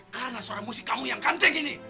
karena suara musik kamu yang ganteng ini